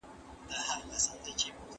ابن خلدون د دولت په اړه څه وایي؟